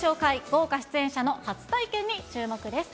豪華出演者の初体験に注目です。